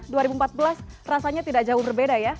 jelas rasanya tidak jauh berbeda ya